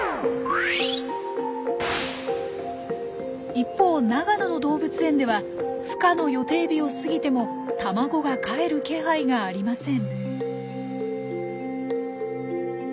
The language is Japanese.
一方長野の動物園では孵化の予定日を過ぎても卵がかえる気配がありません。